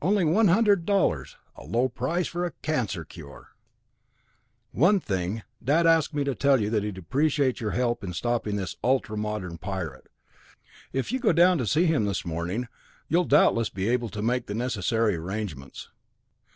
Only one hundred dollars! A low price for cancer cure! "Another thing: Dad asked me to tell you that he'd appreciate your help in stopping this ultra modern pirate. If you go down to see him in the morning, you'll doubtless be able to make the necessary arrangements."